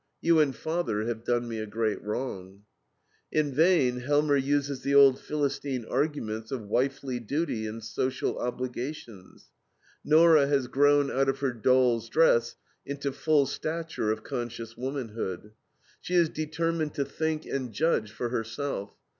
You and father have done me a great wrong." In vain Helmer uses the old philistine arguments of wifely duty and social obligations. Nora has grown out of her doll's dress into full stature of conscious womanhood. She is determined to think and judge for herself.